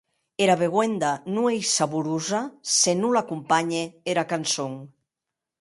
Era beuenda non ei saborosa se non l’acompanhe era cançon.